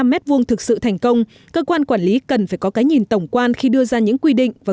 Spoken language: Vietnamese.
năm m hai thực sự thành công cơ quan quản lý cần phải có cái nhìn tổng quan khi đưa ra những quy định và